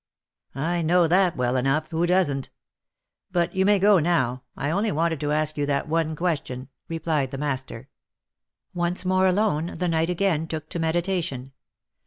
" I know that well enough, who doesn't? But you may go now* I only wanted to ask you that one question," replied the master. Once more alone, the knight again took to meditation.